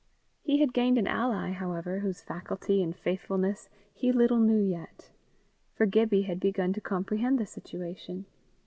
He had gained an ally, however, whose faculty and faithfulness he little knew yet. For Gibbie had begun to comprehend the situation.